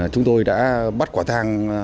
chúng tôi đã bắt quả thang